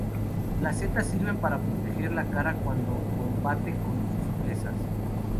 Las setas sirven para proteger la cara cuando combate con sus presas.